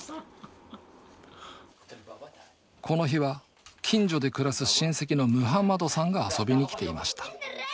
この日は近所で暮らす親戚のムハンマドさんが遊びに来ていました。